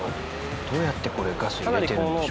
どうやってこれガス入れてるんでしょうね？